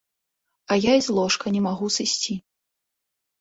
А я і з ложка не магу сысці.